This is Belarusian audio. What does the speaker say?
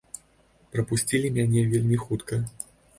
Прапусцілі мяне вельмі хутка.